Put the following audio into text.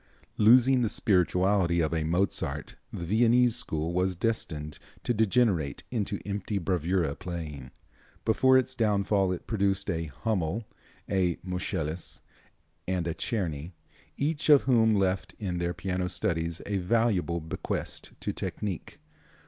Losing the spirituality of a Mozart the Viennese school was destined to degenerate into empty bravura playing. Before its downfall it produced a Hummel, a Moscheles and a Czerny, each of whom left in their piano studies a valuable bequest to technique.